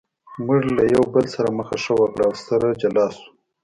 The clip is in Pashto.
موږ یو له بل سره مخه ښه وکړه او سره جلا شوو.